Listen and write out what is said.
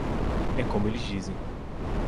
É como eles dizem.